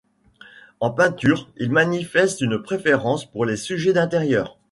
En peinture, il manifeste une préférence pour les sujets d'intérieur.